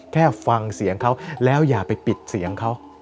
แค่ฟังเสียงเขาแล้วอย่าไปปิดเสียงเขา